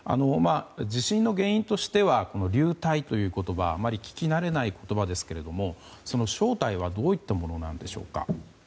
地震の原因としてはこの流体という言葉あまり聞き慣れない言葉ですがその正体はどういったものなのでしょうか。